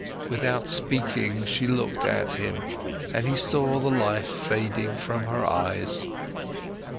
Without speaking, she looked at him, and he saw the life fading from her eyes.